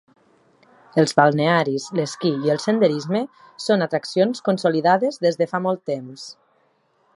Els balnearis, l'esquí i el senderisme són atraccions consolidades des de fa molt temps.